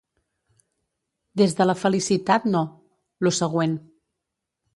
des de la felicitat no, “lo següent”